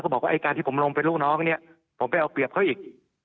บอกว่าไอ้การที่ผมลงเป็นลูกน้องเนี่ยผมไปเอาเปรียบเขาอีก